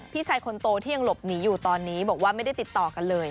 พี่ชายคนโตที่ยังหลบหนีอยู่ตอนนี้บอกว่าไม่ได้ติดต่อกันเลย